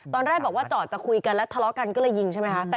ตอนแรกบอกว่าจอดจะคุยกันแล้วทะเลาะกันก็เลยยิงใช่ไหมคะ